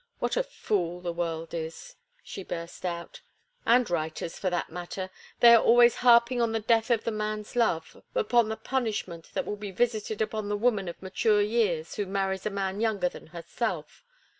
What a fool the world is!" she burst out. "And writers, for that matter! They are always harping on the death of the man's love, upon the punishment that will be visited upon the woman of mature years who marries a man younger than herself!